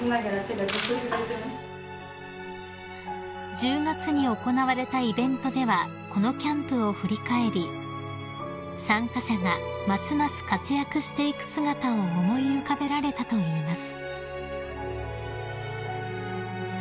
［１０月に行われたイベントではこのキャンプを振り返り参加者がますます活躍していく姿を思い浮かべられたといいます］